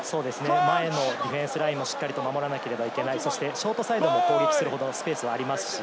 前のディフェンスラインも守らなければいけない、ショートサイドも攻撃するスペースがあります。